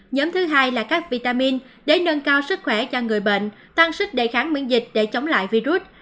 nhóm thứ hai là các vitamin để nâng cao sức khỏe cho người bệnh tăng sức đề kháng miễn dịch để chống lại virus